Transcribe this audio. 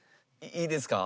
いいですか？